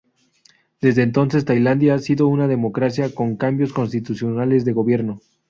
Desde entonces, Tailandia ha sido una democracia con cambios constitucionales de gobierno.